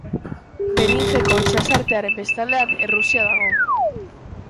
Beringeko itsasartearen bestaldean, Errusia dago.